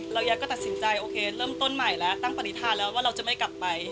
แล้วยายก็ตัดสินใจโอเคเริ่มต้นใหม่แล้วตั้งปฏิฐานแล้วว่าเราจะไม่กลับไป